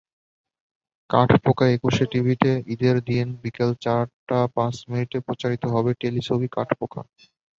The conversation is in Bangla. কাঠপোকাএকুশে টিভিতে ঈদের দিন বিকেল চারটা পাঁচ মিনিটে প্রচারিত হবে টেলিছবি কাঠপোকা।